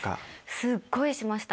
すっごいしました